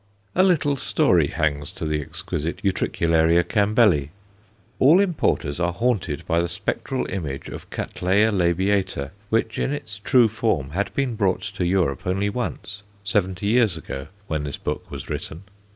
A little story hangs to the exquisite U. Campbelli. All importers are haunted by the spectral image of Cattleya labiata, which, in its true form, had been brought to Europe only once, seventy years ago, when this book was written.